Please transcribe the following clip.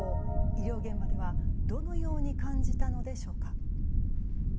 医療現場ではどのように感じたのでしょうか。